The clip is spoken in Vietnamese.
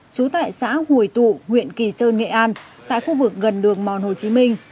trú tại xã hồi tụ huyện kỳ sơn nghệ an tại khu vực gần đường mòn hồ chí minh